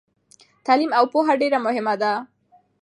تعلیم او پوهه ډیره مهمه ده.